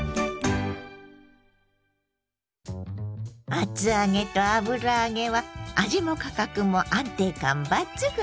厚揚げと油揚げは味も価格も安定感抜群！